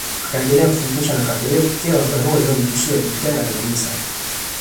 Akaendelea kufundisha na akapelekewa barua iliyomtishia kumtenga na Kanisa